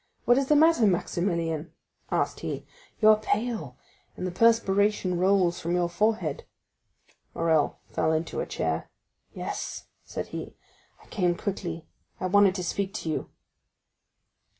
"What is the matter, Maximilian?" asked he; "you are pale, and the perspiration rolls from your forehead." Morrel fell into a chair. "Yes," said he, "I came quickly; I wanted to speak to you."